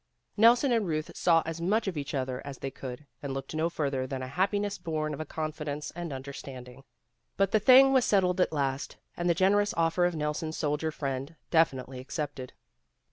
Nelson and Euth saw as much of each other as they could, and looked no further than a happi ness born of a confidence and understanding. But the thing was settled at last, and the generous offer of Nelson's soldier friend definitely accepted.